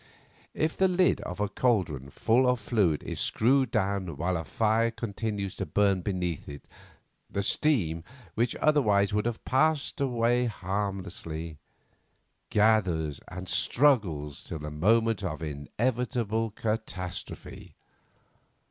If the lid of a caldron full of fluid is screwed down while a fire continues to burn beneath it, the steam which otherwise would have passed away harmlessly, gathers and struggles till the moment of inevitable catastrophe.